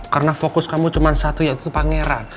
karena fokus kamu cuma satu yaitu pangeran